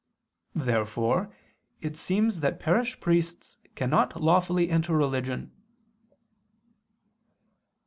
Therefore it seems that parish priests cannot lawfully enter religion.